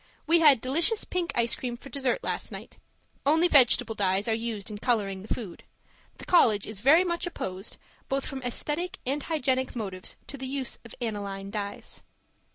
We had delicious pink ice cream for dessert last night. Only vegetable dyes are used in colouring the food. The college is very much opposed, both from aesthetic and hygienic motives, to the use of aniline dyes.